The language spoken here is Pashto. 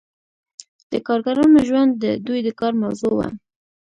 د کارګرانو ژوند د دوی د کار موضوع وه.